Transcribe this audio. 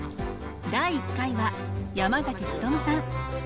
第１回は山努さん。